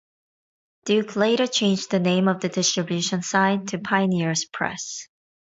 Duke later changed the name of the distribution side to Pioneers Press.